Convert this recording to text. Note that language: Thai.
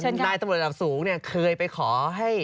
นายตำรวจระดับสูงเนี่ยเคยไปขอให้